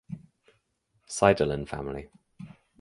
Seidelin family